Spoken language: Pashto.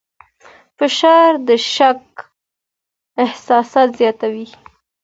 فشار د شک احساس زیاتوي.